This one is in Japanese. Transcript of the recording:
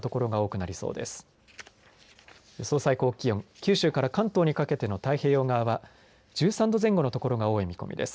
九州から関東にかけての太平洋側は１３度前後の所が多い見込みです。